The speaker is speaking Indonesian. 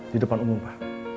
di depan umum pa